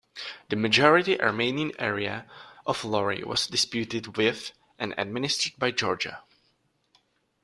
The majority-Armenian area of Lori was disputed with and administered by Georgia.